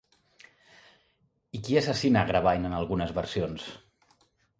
I qui assassina Agravain en algunes versions?